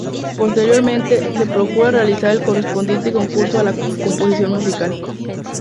Posteriormente, se procura realizar el correspondiente concurso a la composición musical.